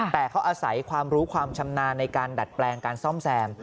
แต่เขาอาศัยความรู้ความชำนาญในการดัดแปลงการซ่อมแซม